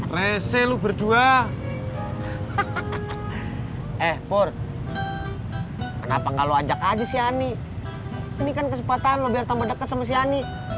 lese lu berdua eh pur kenapa enggak lo ajak aja si ani ini kan kesempatan lo biar tambah dekat sama si ani